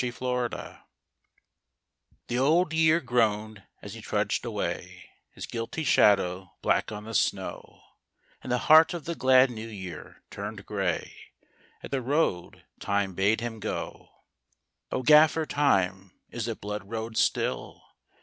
BLOOD ROAD THE Old Year groaned as he trudged away, His guilty shadow black on the snow, And the heart of the glad New Year turned grey At the road Time bade him go. " O Gaffer Time, is it blood road still?